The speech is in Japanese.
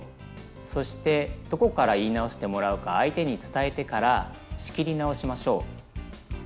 そしてどこから言いなおしてもらうか相手に伝えてから仕切りなおしましょう。